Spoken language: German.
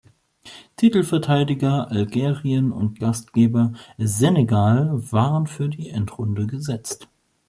Titelverteidiger Algerien und Gastgeber Senegal waren für die Endrunde gesetzt.